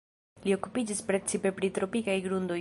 Li okupiĝis precipe pri tropikaj grundoj.